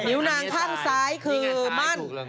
นางข้างซ้ายคือมั่น